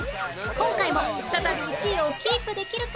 今回も再び１位をキープできるか？